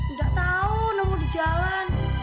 nggak tahu nemu di jalan